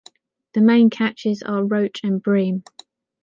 The main catches are roach and bream.